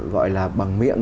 gọi là bằng miệng